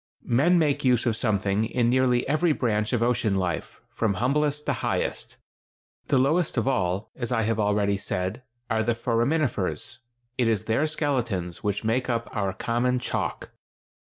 Men make use of something in nearly every branch of ocean life, from humblest to highest. The lowest of all, as I have already said, are the foraminifers; it is their skeletons which make up our common chalk.